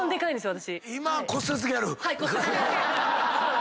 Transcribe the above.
私。